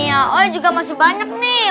ya saya juga masih banyak nih